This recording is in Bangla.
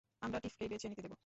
আমরা টিফকেই বেছে নিতে দেব।